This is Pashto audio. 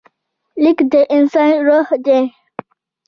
لیک د انسان روح دی.